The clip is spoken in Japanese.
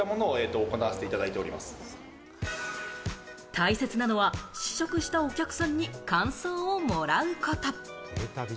大切なのは試食したお客さんに感想をもらうこと。